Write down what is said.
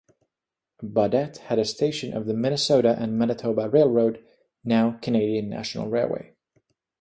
Baudette had a station of the Minnesota and Manitoba Railroad, now Canadian National Railway.